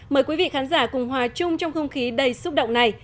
mời quý vị khán giả cùng hòa chung trong không khí đầy xúc động này